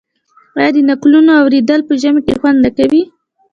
آیا د نکلونو اوریدل په ژمي کې خوند نه کوي؟